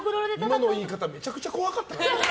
今の言い方めちゃくちゃ怖かったよ。